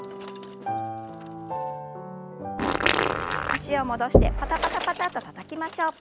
脚を戻してパタパタパタとたたきましょう。